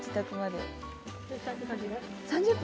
３０分？